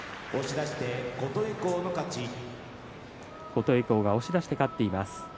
琴恵光が押し出して勝っています。